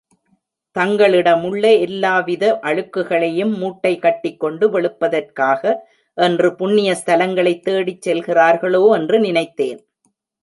தங்களிடமுள்ள எல்லாவித அழுக்குகளையும் மூட்டை கட்டிக்கொண்டு, வெளுப்பதற்காக என்று புண்ணிய ஸ்தலங்களைத் தேடிச் செல்கிறார்களோ என்று நினைத்தேன்.